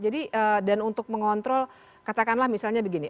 dan untuk mengontrol katakanlah misalnya begini